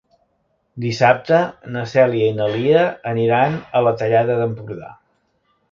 Dissabte na Cèlia i na Lia aniran a la Tallada d'Empordà.